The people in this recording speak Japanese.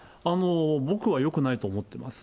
僕はよくないと思ってます。